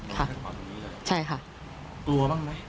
กลัวบ้างไหมเจอไหม